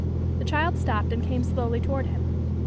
The child stopped and came slowly toward him.